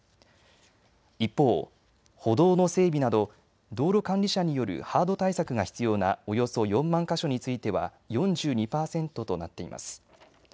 一方、歩道の整備など道路管理者によるハード対策が必要なおよそ４万か所については４２％となっています。